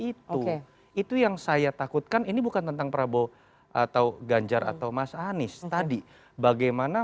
itu itu yang saya takutkan ini bukan tentang prabowo atau ganjar atau mas anies tadi bagaimana